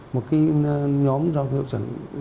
một cái nhóm giao hiệu trận